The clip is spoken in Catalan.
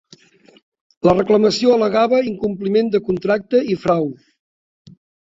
La reclamació al·legava incompliment de contracte i frau.